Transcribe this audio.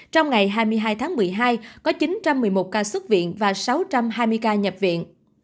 trong ngày hai mươi hai tháng một mươi hai có chín trăm một mươi một ca xuất viện và sáu trăm hai mươi ca nhập viện